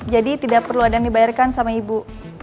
jadi tidak perlu ada yang dibayarkan sama ibu